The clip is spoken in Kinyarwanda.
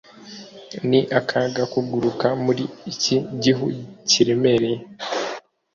ni akaga kuguruka muri iki gihu kiremereye